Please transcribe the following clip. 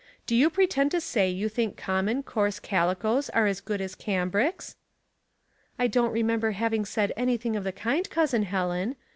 Do you pretend to say 3^ou think common, coarse calicoes are as good as cambrics ?"*' I don't remember having said anything of the kind, Cousin Helen.